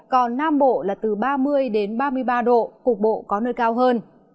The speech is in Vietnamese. còn nam bộ là từ ba mươi ba mươi ba độ cục bộ có nơi cao hơn